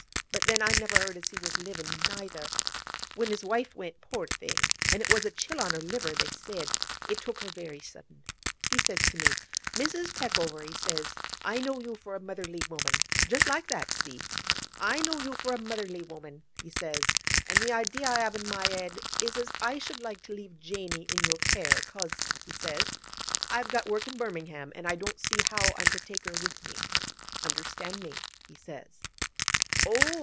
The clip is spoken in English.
But then I never heard as he was livin', neither. When his wife went, poor thing—an' it was a chill on the liver, they said; it took her very sudden—he says to me, "Mrs. Peckover," he says, "I know you for a motherly woman"—just like that—see?—"I know you for a motherly woman," he says, "an' the idea I have in my 'ed is as I should like to leave Janey in your care, 'cause," he says, "I've got work in Birmingham, an' I don't see how I'm to take her with me. Understand me?" he says. "Oh!"